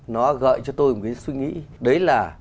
nó gợi cho tôi một cái suy nghĩ đấy là